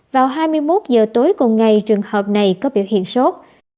vào hai mươi một giờ tối cùng ngày trường hợp này có biểu hiện sốt